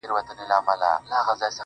خو لا يې سترگي نه دي سرې خلگ خبري كـوي~